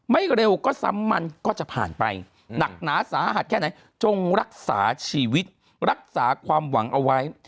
เร็วก็ซ้ำมันก็จะผ่านไปหนักหนาสาหัสแค่ไหนจงรักษาชีวิตรักษาความหวังเอาไว้